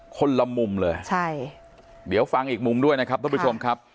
คนละมุมเลยใช่เดี๋ยวฟังอีกมุมด้วยนะครับท่านผู้ชมครับ